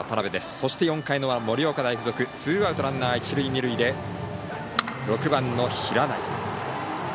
そして４回の裏、盛岡大付属ツーアウトランナー、一塁二塁で６番の平内。